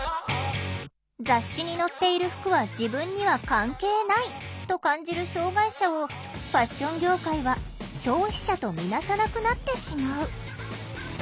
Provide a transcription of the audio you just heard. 雑誌に載っている服は自分には関係ないと感じる障害者をファッション業界は消費者と見なさなくなってしまう。